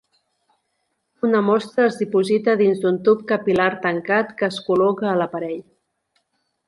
Una mostra es diposita dins d'un tub capil·lar tancat que es col·loca a l'aparell.